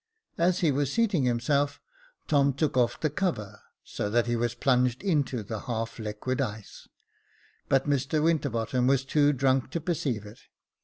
As he was seating himself, Tom took off" the cover, so that he was plunged into the half liquid ice ; but Mr Winterbottom was too drunk to perceive it.